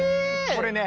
これね